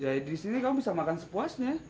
ya di sini kamu bisa makan sepuasnya